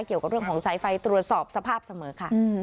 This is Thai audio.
เกี่ยวกับเรื่องของสายไฟตรวจสอบสภาพเสมอค่ะ